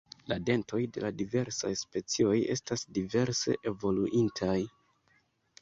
La dentoj de la diversaj specioj estas diverse evoluintaj.